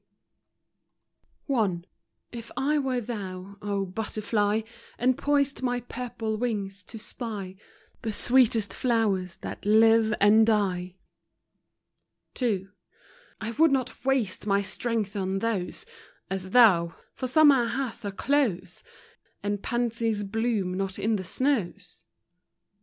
I. T F I were thou, O butterfly, And poised my purple wings, to spy The sweetest flowers that live and die,— IT. I would not waste my strength on those, As thou,—for summer hath a close, And pansies bloom not in the snows.